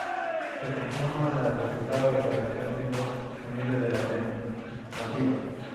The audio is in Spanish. Se consuma con el resultado de coacción, siendo punible la tentativa.